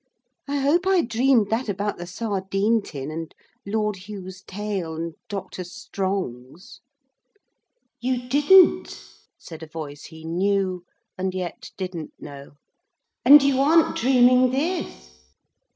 I hope I dreamed that about the sardine tin and Lord Hugh's tail, and Dr. Strong's.' 'You didn't,' said a voice he knew and yet didn't know, 'and you aren't dreaming this.'